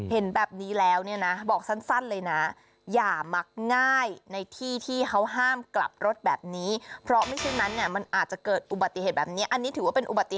เห็นแบบนี้แล้ว